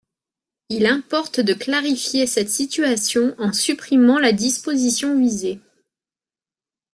Il importe de clarifier cette situation en supprimant la disposition visée.